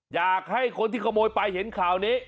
อยากให้คนที่ขโมยไปเห็นข่าวนี้